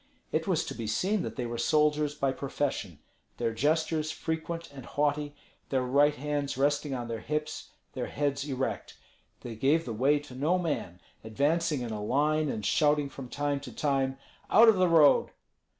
It was to be seen that they were soldiers by profession, their gestures frequent and haughty, their right hands resting on their hips, their heads erect. They gave the way to no man, advancing in a line and shouting from time to time, "Out of the road!"